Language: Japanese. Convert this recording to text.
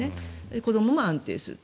子どもも安定する。